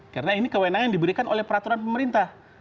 karena ini kewenangan yang diberikan oleh peraturan pemerintah